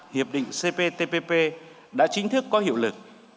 hiệp định cptpp đã chính thức có hiệu lực